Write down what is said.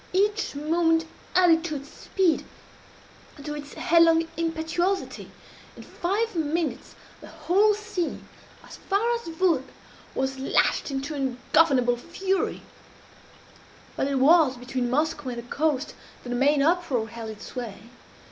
Each moment added to its speed to its headlong impetuosity. In five minutes the whole sea, as far as Vurrgh, was lashed into ungovernable fury; but it was between Moskoe and the coast that the main uproar held its sway.